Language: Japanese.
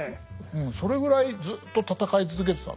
うんそれぐらいずっと戦い続けてたんですね。